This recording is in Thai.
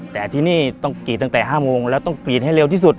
แต่ที่นี่ต้องกรีดตั้งแต่๕โมงแล้วต้องกรีดให้เร็วที่สุด